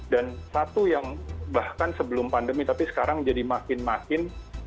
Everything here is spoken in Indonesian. dan satu yang bahkan sebelum pandemi tapi sekarang jadi makin makin